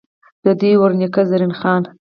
ددوي ور نيکۀ، زرين خان ،